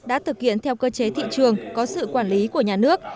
đã thực hiện theo cơ chế thị trường có sự quản lý của nhà nước